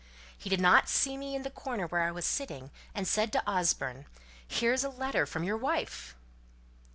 He did not see me in the corner where I was sitting, and said to Osborne, 'Here's a letter from your wife!'"